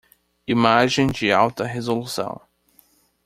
Imagem de alta resolução.